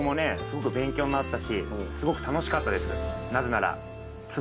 すごく勉強になったしすごく楽しかったです。